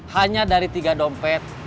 hanya dari tiga dompet